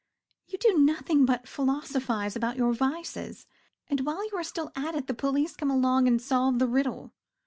You do nothing but philosophise about your vices, and while you are still at it the police come along and solve the riddle.